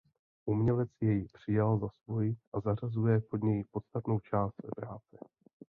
Umělec jej přijal za svůj a zařazuje pod něj podstatnou část své práce.